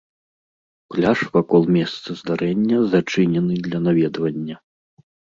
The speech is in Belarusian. Пляж вакол месца здарэння зачынены для наведвання.